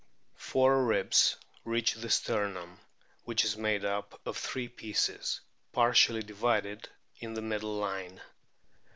Four ribs reach the sternum, which is made up of three pieces partly divided in the middle line.